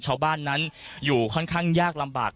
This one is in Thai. ชาวบ้านนั้นอยู่ค่อนข้างยากลำบาก